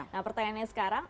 nah pertanyaannya sekarang